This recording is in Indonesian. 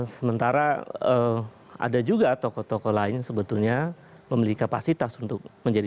sementara ada juga tokoh tokoh lain yang sebetulnya memiliki kapasitas untuk menjadi